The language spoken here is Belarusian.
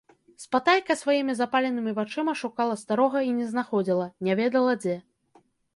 Спатайка сваімі запаленымі вачыма шукала старога і не знаходзіла, не ведала дзе.